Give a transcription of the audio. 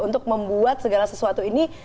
untuk membuat segala sesuatu ini